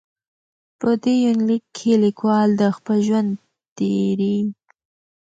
په دې یونلیک کې لیکوال د خپل ژوند تېرې.